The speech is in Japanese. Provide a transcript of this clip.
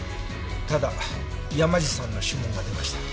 ただ山路さんの指紋が出ました。